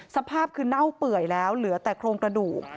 สภาพคือเน่าเปื่อยแล้วเหลือแต่โครงกระดูก